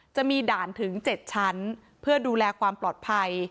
จะมีด่านถึง๗ชั้นเพื่อดูแลความปลอดภัย